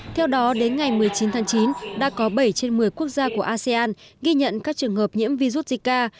theo đó đến ngày một mươi chín tháng chín đã có bảy trên một mươi quốc gia của asean ghi nhận các trường hợp nhiễm virus zika